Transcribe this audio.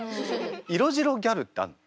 色白ギャルってあるの？